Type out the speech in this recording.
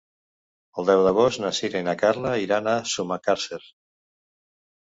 El deu d'agost na Sira i na Carla iran a Sumacàrcer.